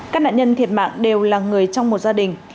các nạn nhân thiệt mạng đều là người trong một gia đình